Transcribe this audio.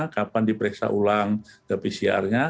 kapan diperiksa ulang pcr nya